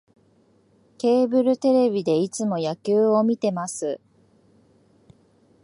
ケーブルテレビでいつも野球を観てます